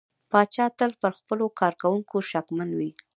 پاچا تل پر خپلو کارکوونکو شکمن وي .